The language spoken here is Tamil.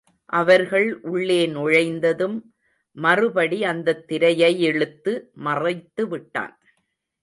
அவர்கள் உள்ளே நுழைந்ததும் மறுபடி அந்தத் திரையையிழுத்து மறைத்து விட்டான்.